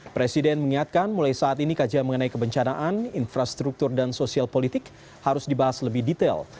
presiden mengingatkan mulai saat ini kajian mengenai kebencanaan infrastruktur dan sosial politik harus dibahas lebih detail